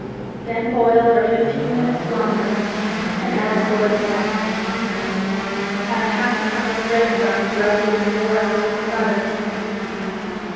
Then boil for fifteen minutes longer and add a quart of milk. Have half a cup of bread crumbs rubbed into four ounces of butter.